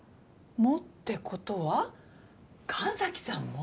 もってことは神崎さんも？